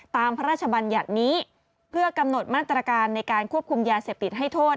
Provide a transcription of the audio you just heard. พระราชบัญญัตินี้เพื่อกำหนดมาตรการในการควบคุมยาเสพติดให้โทษ